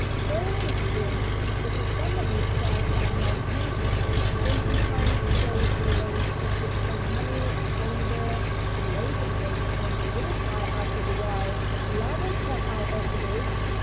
Early in the spring Mrs. Bumblebee starts out house hunting. When she finds the place she wants she puts some honey and pollen there, and lays an egg on the little pile. After a while the larvas come out of the eggs.